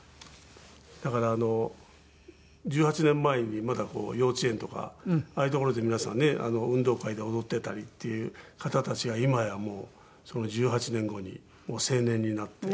だから１８年前にまだ幼稚園とかああいう所で皆さんね運動会で踊っていたりっていう方たちが今やもうその１８年後に成年になって。